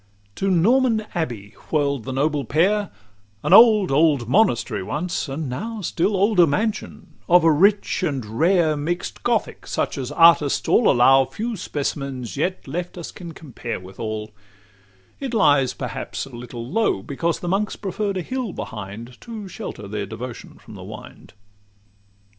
LV To Norman Abbey whirl'd the noble pair, An old, old monastery once, and now Still older mansion; of a rich and rare Mix'd Gothic, such as artists all allow Few specimens yet left us can compare Withal: it lies perhaps a little low, Because the monks preferr'd a hill behind, To shelter their devotion from the wind.